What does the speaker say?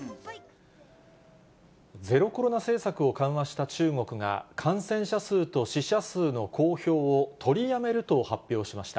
ゼロコロナ政策を緩和した中国が感染者数と死者数の公表を取りやめると発表しました。